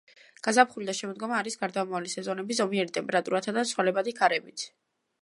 გაზაფხული და შემოდგომა არის გარდამავალი სეზონები ზომიერი ტემპერატურათა და ცვალებადი ქარებით.